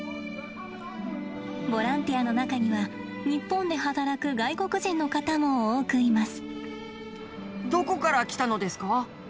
ボランティアの中には日本で働く外国人の方も多くいます。